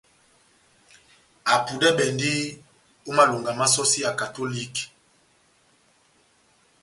Apudɛbɛndi ó malonga má sɔsi ya katoliki.